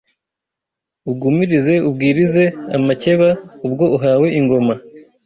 Ugumirize ubwirize amakeba Ubwo uhawe ingoma